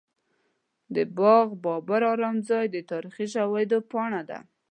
د باغ بابر ارام ځای د تاریخ ژوندۍ پاڼه ده.